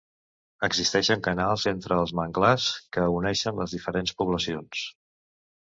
Existeixen canals entre els manglars, que uneixen les diferents poblacions.